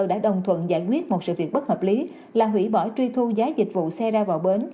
đã đồng thuận giải quyết một sự việc bất hợp lý là hủy bỏ truy thu giá dịch vụ xe ra vào bến